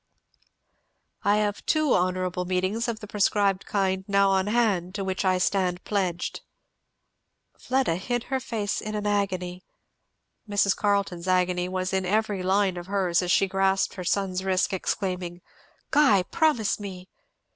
"I have two honourable meetings of the proscribed kind now on hand, to which I stand pledged." Fleda hid her face in an agony. Mrs. Carleton's agony was in every line of hers as she grasped her son's wrist exclaiming, "Guy, promise me!"